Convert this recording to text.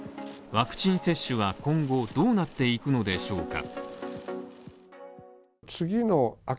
ワクチン接種は今後どうなっていくのでしょうか？